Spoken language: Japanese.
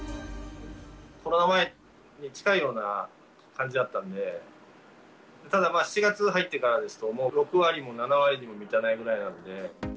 コロナ前に近いような感じだったんで、ただ７月入ってからですと、もう６割も７割にも満たないぐらいなんで。